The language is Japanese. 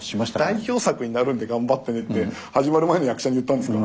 代表作になるので頑張ってねって始まる前の役者に言ったんですか？